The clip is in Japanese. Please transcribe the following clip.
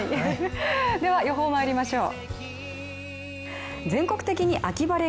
では、予報、まいりましょう。